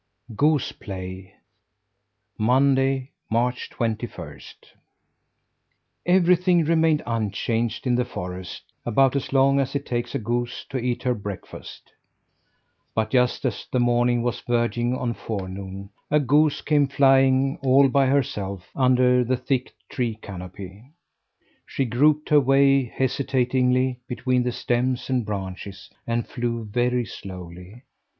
GOOSE PLAY Monday, March twenty first. Everything remained unchanged in the forest about as long as it takes a goose to eat her breakfast. But just as the morning was verging on forenoon, a goose came flying, all by herself, under the thick tree canopy. She groped her way hesitatingly, between the stems and branches, and flew very slowly.